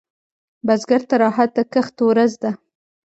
بزګر ته راحت د کښت ورځ ده